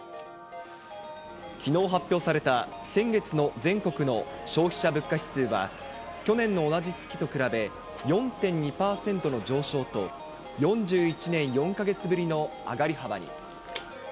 きのう発表された先月の全国の消費者物価指数は、去年の同じ月と比べ４．２％の上昇と、４１年４か月ぶりの上がり幅に。